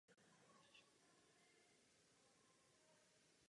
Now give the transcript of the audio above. Řádový odznak je zmenšenou verzí řádové hvězdy.